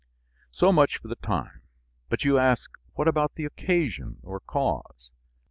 So much for the time; but you ask What about the occasion, or cause?